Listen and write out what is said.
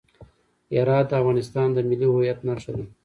هرات د افغانستان د ملي هویت نښه ده.